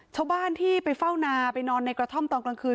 ชาวบ้านที่ไปเฝ้านาไปนอนในกระท่อมตอนกลางคืน